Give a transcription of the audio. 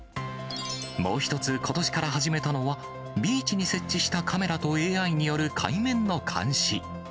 もう一つ、ことしから始めたのは、ビーチに設置したカメラとＡＩによる海面の監視。